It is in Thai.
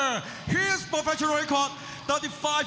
นี่คือภารกิจที่สุด